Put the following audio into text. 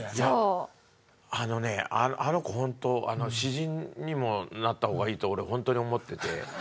あのねあの子本当詩人にもなった方がいいと俺本当に思ってて。